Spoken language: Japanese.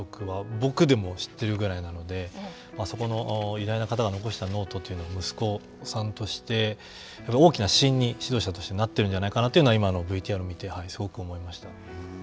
僕でも知ってるぐらいなのでそんな偉大な方が残したノートというのを息子さんとして大きな指導者になっているんじゃないかというのを今のＶＴＲを見てすごく思いました。